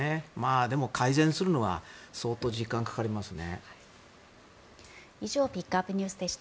でも改善するのは相当時間がかかりますね。